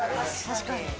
確かに。